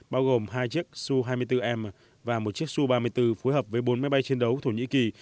bao gồm hai chiếc su hai mươi bốn m và một chiếc su ba mươi bốn phối hợp với bốn máy bay chiến đấu thổ nhĩ kỳ